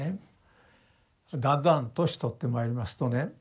だんだん年取ってまいりますとね